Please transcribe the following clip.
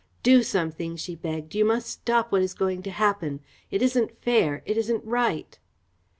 "Do something!" she begged. "You must stop what is going to happen. It isn't fair. It isn't right!"